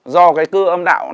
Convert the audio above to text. do cái cơ âm đạo này là